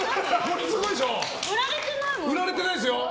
売られてないものですよね。